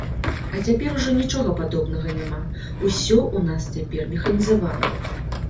А цяпер ужо нічога падобнага няма, усё ў нас цяпер механізавана.